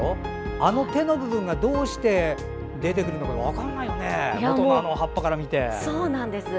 あの手の部分がどうして出てくるのか分からないね、葉っぱから見て。